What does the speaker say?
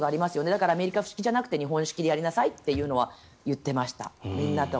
だからアメリカ式じゃなくて日本式でやりなさいというのは言っていました。